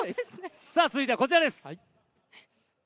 続いてはこちらです。